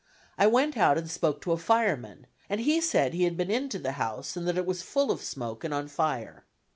I went out and spoke to a fireman, and he said he had been into the house and that it was full of smoke and on fire.